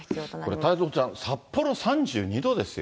これ太蔵ちゃん、札幌３２度ですよ。